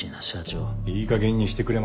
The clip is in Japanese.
いいかげんにしてくれま。